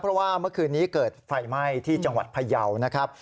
เพราะว่าเมื่อคืนนี้เกิดไฟไหม้ที่จังหวัดพยาวนะครับ